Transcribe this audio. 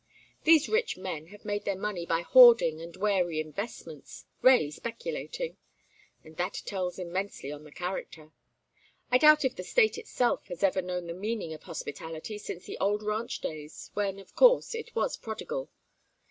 These rich men have made their money by hoarding and wary investments, rarely speculating; and that tells immensely on the character. I doubt if the State itself has ever known the meaning of hospitality since the old ranch days, when, of course, it was prodigal.